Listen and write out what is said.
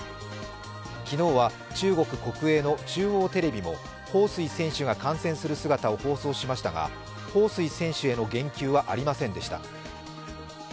昨日は、中国国営の中央テレビも彭帥選手が観戦する姿を放送しましたが彭帥選手への言及はありませんでした。